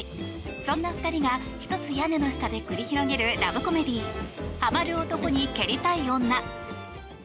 そんな２人が一つ屋根の下で繰り広げるラブコメディー「ハマる男に蹴りたい女」。